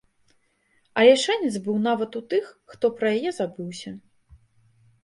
Але шанец быў нават у тых, хто пра яе забыўся.